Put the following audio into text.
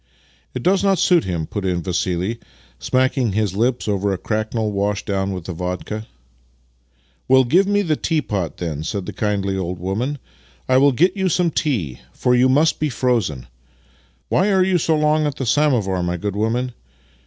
" It does not suit him," put in Vassili, smacking his lips over a cracknel washed down with vodka. " Well, give me the tea pot, then," said the kindly old woman. " I will get you some tea, for you must be frozen. Why are you so long with the samovar, my good women?